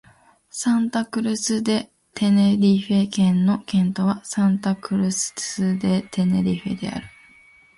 サンタ・クルス・デ・テネリフェ県の県都はサンタ・クルス・デ・テネリフェである